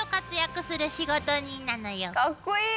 かっこいい！